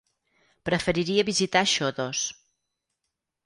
Preferiria visitar Xodos.